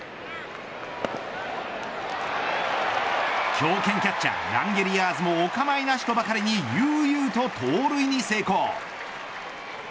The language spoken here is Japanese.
強肩キャッチャーランゲリアーズもお構いなしとばかりに悠々と盗塁に成功。